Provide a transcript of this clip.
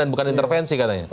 dan bukan intervensi katanya